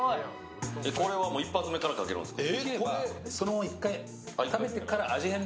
これは１発目からかけるんですか？